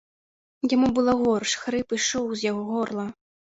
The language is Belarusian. Яму было горш, хрып ішоў з яго горла.